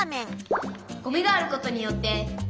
「ゴミがあることによって」。